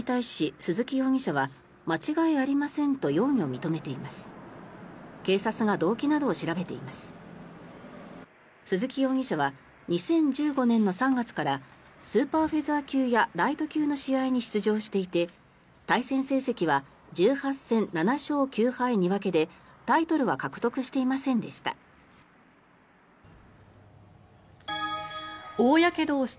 鈴木容疑者は２０１５年の３月からスーパーフェザー級やライト級の試合に出場していて対戦成績は１８戦７勝９敗２分けでタイトルは獲得していませんでした。